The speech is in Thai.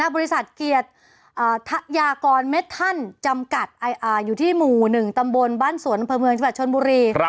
บริษัทเกียรติยากรเม็ดทั่นจำกัดอยู่ที่หมู่๑ตำบลบ้านสวนประเมืองชิบัตรชนบุรี